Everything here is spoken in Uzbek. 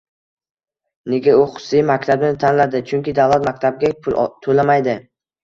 Nega u xususiy maktabni tanladi? Chunki davlat maktabga pul to'lamaydi